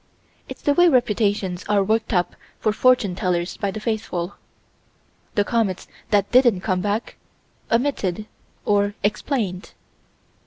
It's the way reputations are worked up for fortune tellers by the faithful. The comets that didn't come back omitted or explained.